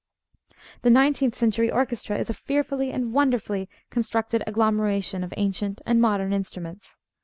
The nineteenth century orchestra is a fearfully and wonderfully constructed agglomeration of ancient and modern instruments.